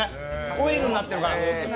オイルになってるから。